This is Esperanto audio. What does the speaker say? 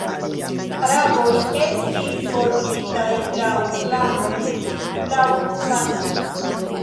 Araboj estis ordigitaj laŭ klanoj, laŭ sango.